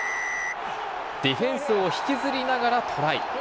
ディフェンスを引きずりながらトライ。